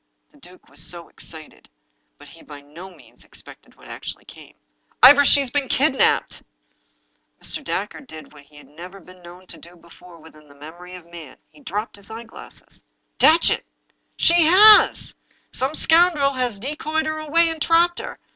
The duke was so ex cited. But he by no means expected what actually came. " Ivor, she's been kidnaped I " Mr. Dacre did what he had never been known to do before within the memory of man — ^he dropped his eyeglass. "Datchet!" " She has I Some scoundrel has decoyed her away, and trapped her.